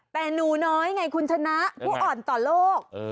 แต่หนูน้อยไงคุณชนะผู้อ่อนต่อโลก